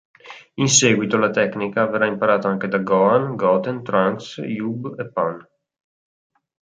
In seguito la tecnica verrà imparata anche da Gohan, Goten, Trunks, Ub e Pan.